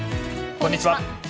こんにちは。